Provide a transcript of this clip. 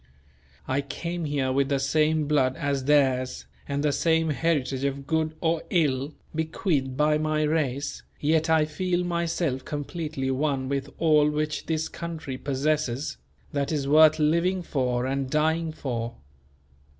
I came here with the same blood as theirs and the same heritage of good or ill, bequeathed by my race; yet I feel myself completely one with all which this country possesses, that is worth living for and dying for.